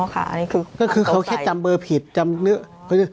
อันนี้คือก็คือเขาแค่จำเบอร์ผิดจำนึก